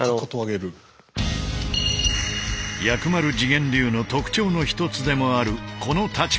薬丸自顕流の特徴の一つでもあるこの立ち方。